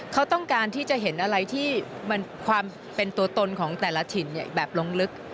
เขาต้องการที่จะเห็นอะไรที่มันความเป็นตัวตนของแต่ละถิ่นแบบลงลึก